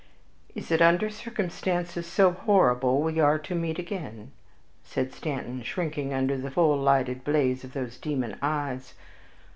"Is it under circumstances so horrible we are to meet again?" said Stanton, shrinking under the full lighted blaze of those demon eyes.